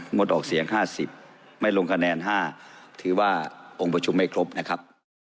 ดออกเสียง๕๐ไม่ลงคะแนน๕ถือว่าองค์ประชุมไม่ครบนะครับ